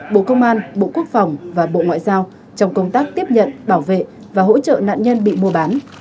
bộ công an bộ quốc phòng và bộ ngoại giao trong công tác tiếp nhận bảo vệ và hỗ trợ nạn nhân bị mua bán